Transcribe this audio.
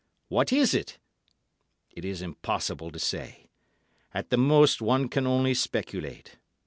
What is it? It is impossible to say; at the most one can only speculate.